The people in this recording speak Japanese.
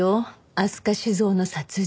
飛鳥酒造の殺人。